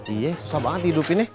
iya susah banget hidupinnya